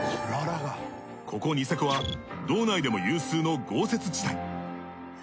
ここニセコは道内でも有数の豪雪地帯。